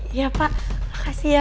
iya pak makasih ya